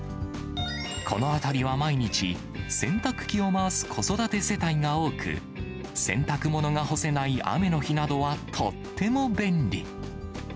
この辺りは毎日、洗濯機を回す子育て世帯が多く、洗濯物が干せない雨の日などはとっても便利。